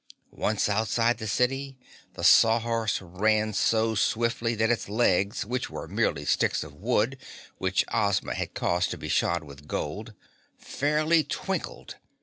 Once outside the city, the Sawhorse ran so swiftly that its legs, which were merely sticks of wood which Ozma had caused to be shod with gold, fairly twinkled.